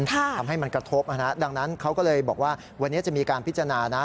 ทำให้มันกระทบดังนั้นเขาก็เลยบอกว่าวันนี้จะมีการพิจารณานะ